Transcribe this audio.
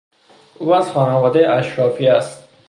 او از خانوادهی اشرافی است.